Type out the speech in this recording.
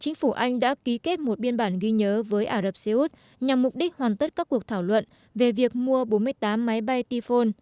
chính phủ anh đã ký kết một biên bản ghi nhớ với ả rập xê út nhằm mục đích hoàn tất các cuộc thảo luận về việc mua bốn mươi tám máy bay tifone